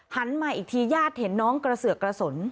หันมาอีกทีญาติเห็นน้องกระเสือกกระสุน